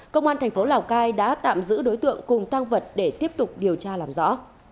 công an thành phố lào cai đã tạm giữ đối tượng cùng tăng vật để tiếp tục điều tra làm rõ